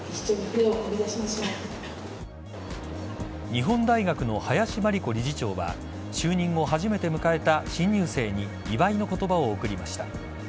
日本大学の林真理子理事長は就任後初めて迎えた新入生に祝いの言葉を贈りました。